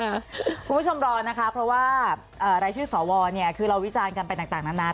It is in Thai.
คุณผู้ชมรอนะคะเพราะว่ารายชื่อสวเนี่ยคือเราวิจารณ์กันไปต่างนาน